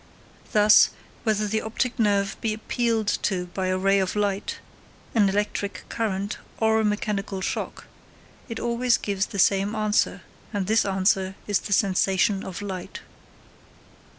Thus, whether the optic nerve be appealed to by a ray of light, an electric current, or a mechanical shock, it always gives the same answer, and this answer is the sensation of light.